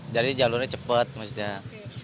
jadi jalurnya cepat maksudnya